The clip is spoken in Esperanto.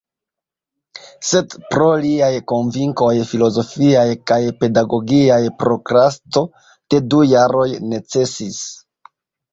Sed pro liaj konvinkoj filozofiaj kaj pedagogiaj prokrasto de du jaroj necesis.